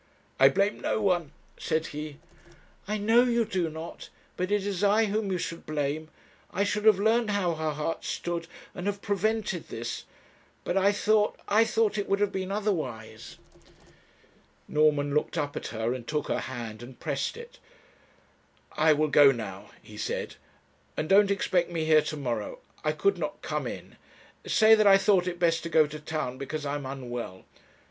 'I blame no one,' said he. 'I know you do not; but it is I whom you should blame. I should have learnt how her heart stood, and have prevented this but I thought, I thought it would have been otherwise.' Norman looked up at her, and took her hand, and pressed it. 'I will go now,' he said, 'and don't expect me here to morrow. I could not come in. Say that I thought it best to go to town because I am unwell.